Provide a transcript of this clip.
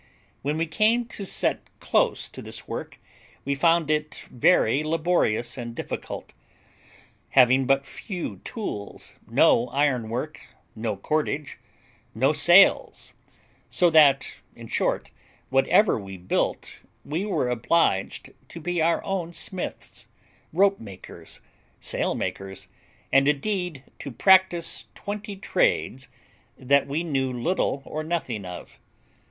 When we came to set close to this work we found it very laborious and difficult, having but few tools, no ironwork, no cordage, no sails; so that, in short, whatever we built, we were obliged to be our own smiths, rope makers, sail makers, and indeed to practise twenty trades that we knew little or nothing of.